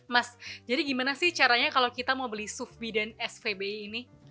mas jadi gimana sih caranya kalau kita mau beli sufbe dan svbi ini